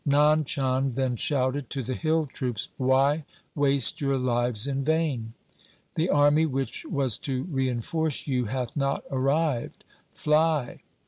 Nand Chand then shouted to the hill troops, ' Why waste your lives in vain ? The army which was to reinforce you hath not arrived. Fly